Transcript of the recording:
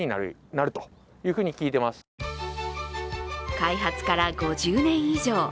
開発から５０年以上。